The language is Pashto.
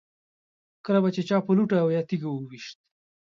کله به چې چا په لوټه او یا تیږه و ویشت.